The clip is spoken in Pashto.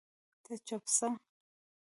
ته چپ سه